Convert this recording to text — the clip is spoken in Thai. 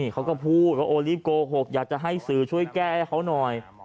เขาก็พูดว่าโอ้รีบโกหกอยากจะให้สื่อช่วยแก้ให้เขาหน่อย